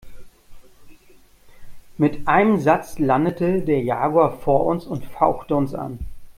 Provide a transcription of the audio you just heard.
Mit einem Satz landete der Jaguar vor uns und fauchte uns an.